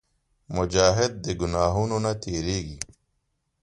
مجاهد د ګناهونو نه تېرېږي.